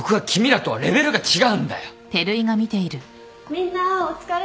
みんなお疲れ。